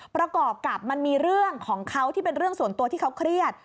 ประกอบกับมันมีเรื่องของเขาที่เป็นเรื่องส่วนตัวที่เขาเครียด